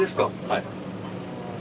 はい。